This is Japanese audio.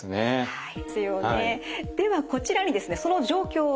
はい。